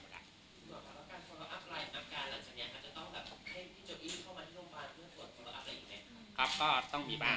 หรือว่าการพันละอัพไลน์อัพการหลังจันยันอาจจะต้องแบบให้ที่จบอีกเข้ามาที่โรงพยาบาล